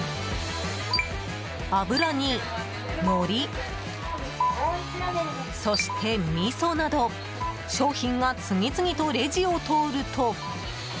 油に、のり、そしてみそなど商品が次々とレジを通ると。